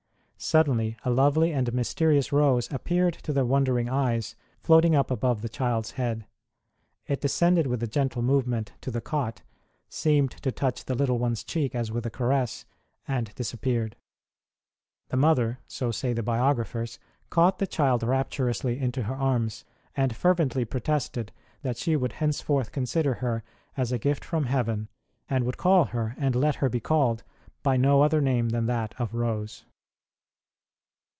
Suddenly a lovely and mysterious rose appeared to their wondering eyes, floating up above the child s head. It descended with a gentle movement to the cot, seemed to touch the little one s cheek as with a caress, and disappeared. The mother so say the biographers caught the child rapturously into her arms, and fervently protested that she would henceforth consider her as a gift from heaven, and would call her, and let her be called, by no other name than that of Rose.